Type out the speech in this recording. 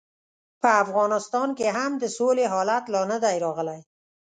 په افغانستان کې هم د سولې حالت لا نه دی راغلی.